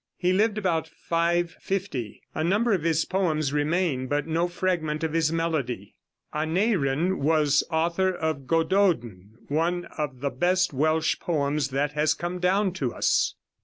He lived about 550; a number of his poems remain, but no fragment of his melody. Aneurin was author of "Gododn," one of the best Welsh poems that has come down to us.